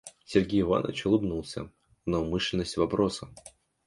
Сергей Иванович улыбнулся на умышленность вопроса.